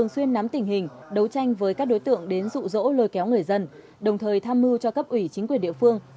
xuyên nắm tình hình đấu tranh với các đối tượng đến rụ rỗ lôi kéo người dân đồng thời tham mưu cho cấp ủy chính quyền địa phương